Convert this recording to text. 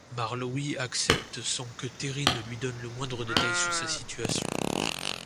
Marlowe accepte sans que Terry ne lui donne le moindre détail sur sa situation.